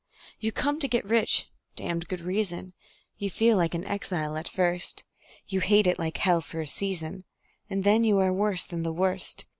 You come to get rich (damned good reason); You feel like an exile at first; You hate it like hell for a season, And then you are worse than the worst.